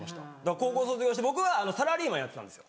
高校卒業して僕はサラリーマンやってたんですよ。